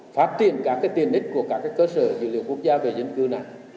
phát triển các tiền ích của các cơ sở dự liệu quốc gia về dân cư này